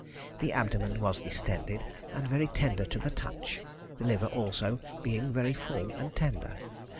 The abdomen was distended, and very tender to the touch, the liver also being very full and tender.